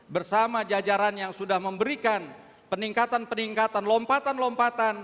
bersama jajaran yang sudah memberikan peningkatan peningkatan lompatan lompatan